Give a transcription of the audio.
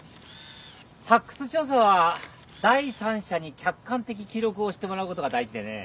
発掘調査は第三者に客観的記録をしてもらうことが大事でね。